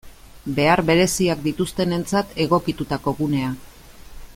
Behar bereziak dituztenentzat egokitutako gunea.